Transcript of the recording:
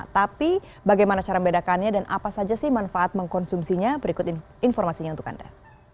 tapi bagaimana cara membedakannya dan apa saja sih manfaat mengkonsumsinya berikut informasinya untuk anda